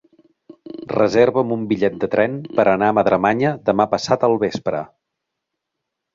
Reserva'm un bitllet de tren per anar a Madremanya demà passat al vespre.